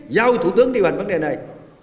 giao thủ tướng điều hành vấn đề này